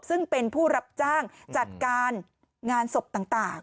ซึ่งเป็นผู้รับจ้างจัดการงานศพต่าง